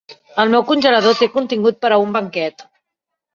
El meu congelador té contingut per a un banquet.